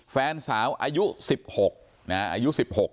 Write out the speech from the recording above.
แฟนสาวอายุ๑๖